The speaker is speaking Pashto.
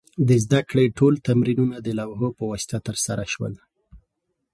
د زده کړې ټول تمرینونه د لوحو په واسطه ترسره شول.